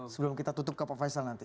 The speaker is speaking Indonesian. sebelum kita tutup ke pak faisal nanti